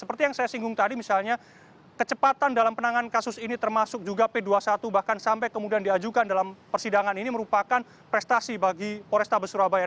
seperti yang saya singgung tadi misalnya kecepatan dalam penanganan kasus ini termasuk juga p dua puluh satu bahkan sampai kemudian diajukan dalam persidangan ini merupakan prestasi bagi polrestabes surabaya